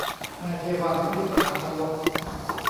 นายเทวัญ ลิปตพัลลภ